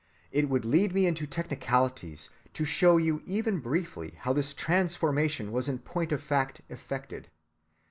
It would lead me into technicalities to show you even briefly how this transformation was in point of fact effected.